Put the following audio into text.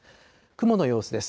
雲の様子です。